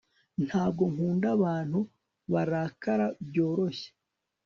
ntabwo nkunda abantu barakara byoroshye